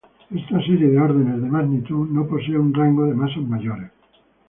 Esta serie de órdenes de magnitud no posee un rango de masas mayores